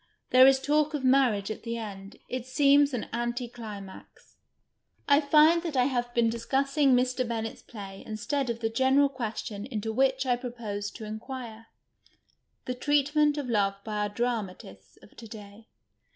There is talk of marriage at the end. It seems an anti climax. I find that I have been discussing Mr. Bennett's play instead of the general question into which I proposed to inquire — the treatment of love by our dramatists of to day.